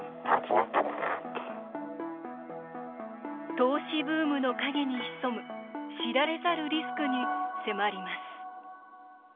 投資ブームの影に潜む知られざるリスクに迫ります。